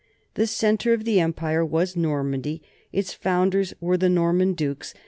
The centre of the empire was Normandy, its founders were the Norman dukes.